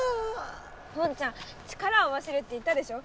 ポンちゃん力を合わせるって言ったでしょ。